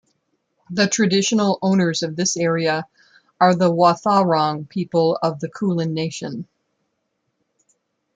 The traditional owners of this area are the Wautharong people of the Kulin nation.